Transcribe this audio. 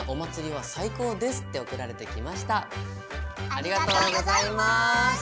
ありがとうございます。